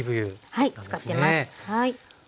はい使ってます。